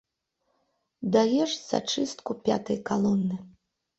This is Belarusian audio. Даеш зачыстку пятай калоны!